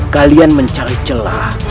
kalian mencari celah